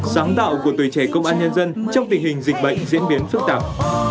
sáng tạo của tuổi trẻ công an nhân dân trong tình hình dịch bệnh diễn biến phức tạp